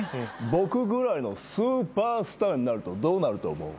僕ぐらいのスーパースターになるとどうなると思う？